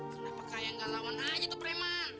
kenapa kaya gak lawan aja tuh preman